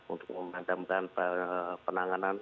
untuk menghadamkan penanganan